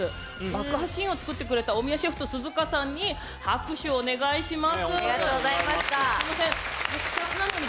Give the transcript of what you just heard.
爆破メシを作ってくれた大宮シェフと寿々歌さんに拍手をお願いします。